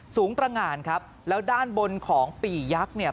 ตระงานครับแล้วด้านบนของปียักษ์เนี่ย